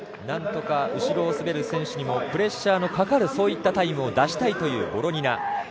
なんとか後ろを滑る選手にもプレッシャーのかかるそういったタイムを出したいボロニア。